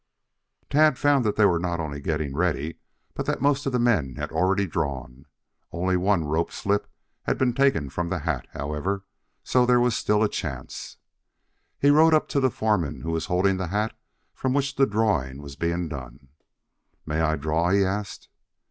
Tad found that they were not only getting ready, but that most of the men had already drawn. Only one "rope" slip had been taken from the hat, however, so there still was a chance. He rode up to the foreman, who was holding the hat from which the drawing was being done. "May I draw?" he asked.